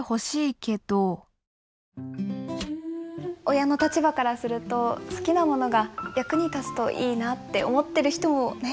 親の立場からすると好きなものが役に立つといいなって思ってる人もね。